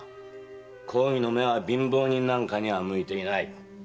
公儀の目は貧乏人なんかにゃ向いていない。